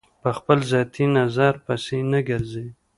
په خپل ذاتي نظر پسې نه ګرځي.